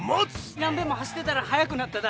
何べんも走ってたら速くなっただ。